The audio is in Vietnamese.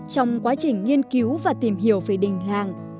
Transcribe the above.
trong quá trình nghiên cứu và tìm hiểu về đỉnh làng